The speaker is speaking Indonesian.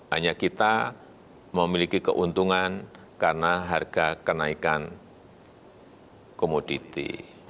hanya kita memiliki keuntungan karena harga kenaikan komoditi